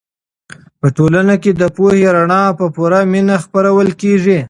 په ټولنه کې د پوهې رڼا په پوره مینه خپرول کېږي.